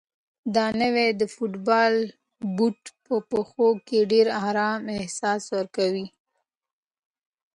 دا نوی د فوټبال بوټ په پښو کې د ډېر ارام احساس ورکوي.